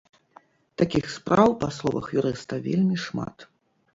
Такіх спраў, па словах юрыста, вельмі шмат.